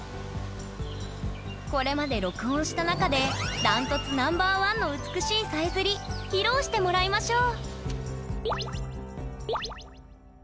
これまで録音した中でダントツＮｏ．１の美しいさえずり披露してもらいましょう！